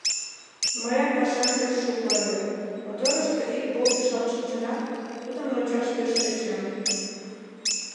Мыйын пашам пеш шуко ыле: моторышто ик болт ишалт шинчынат, тудым рончаш пеш тӧчем.